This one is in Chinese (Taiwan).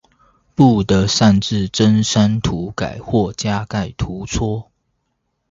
不得擅自增刪塗改或加蓋圖戳